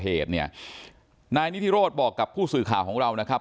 เหตุเนี่ยนายนิทิโรธบอกกับผู้สื่อข่าวของเรานะครับ